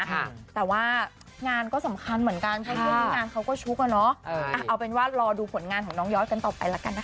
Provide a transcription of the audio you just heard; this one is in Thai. แต่ว่างานก็สำคัญเหมือนกันเพื่อนที่งานเขาก็ชุกอ่ะเนอะเอาเป็นว่ารอดูผลงานของน้องยอดกันต่อไปแล้วกันนะคะ